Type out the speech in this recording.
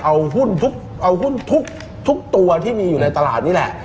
เอาหุ้นทุกตัวที่มีอยู่ในตลาดนี่แหละ